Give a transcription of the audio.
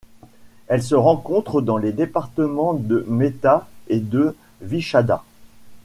Elle se rencontre dans les départements de Meta et de Vichada.